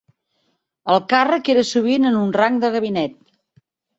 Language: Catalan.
El càrrec era sovint en un rang de gabinet.